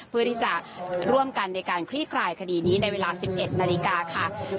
เพื่อที่จะร่วมกันในการคลี่คลายคดีนี้ในเวลา๑๑นาฬิกาค่ะ